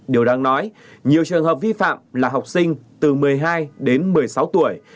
điều đáng nói nhiều trường hợp vi phạm là học sinh từ một mươi hai đến một mươi sáu tuổi